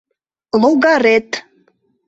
«Логарет